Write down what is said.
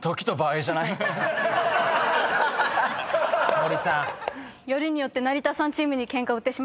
森さん。